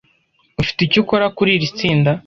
Ufite icyo ukora kuri iri tsinda?